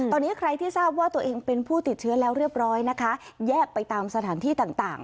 ตอนนี้ใครที่ทราบว่าตัวเองเป็นผู้ติดเชื้อแล้วเรียบร้อยนะคะแยกไปตามสถานที่ต่าง